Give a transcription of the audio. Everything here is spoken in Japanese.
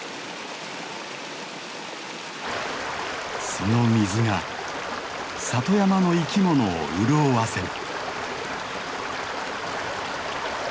その水が里山の生き物を潤わせる。